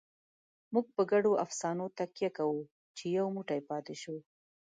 موږ په ګډو افسانو تکیه کوو، چې یو موټی پاتې شو.